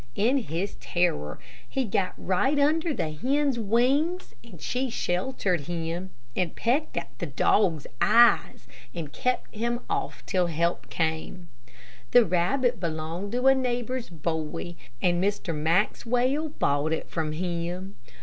In his terror he got right under the hen's wings, and she sheltered him, and pecked at the dog's eyes, and kept him off till help came. The rabbit belonged to a neighbor's boy, and Mr. Maxwell bought it from him.